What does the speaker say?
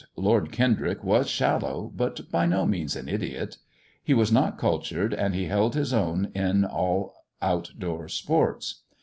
Lord Kendrick was shallow, but by means an idiot. He was not cultured, but he held his cm in all out door sports.